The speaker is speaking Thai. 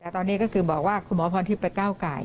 แต่ตอนนี้ก็คือบอกว่าคุณหมอพรทิพย์ไปก้าวไก่